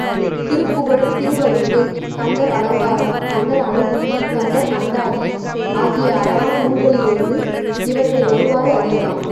திருப்புகழ், திருவகுப்பு, கந்தர் அலங்காரம், கந்தர் அநுபூதி, கந்தர் அந்தாதி ஆகிய அழகான நூல்களிலிருந்து இவற்றை ஒருவாறு அறியலாம்.